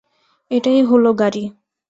এটাই হলো গাড়ি।